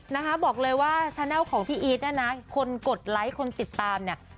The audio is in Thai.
นะคะบอกเลยว่าชาแนลของพี่อีทเนี่ยนะคนกดไลค์คนติดตามเนี่ย